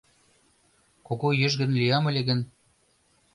Кугу йыжгын лиям ыле гын